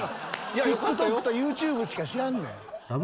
ＴｉｋＴｏｋとＹｏｕＴｕｂｅしか知らんねん。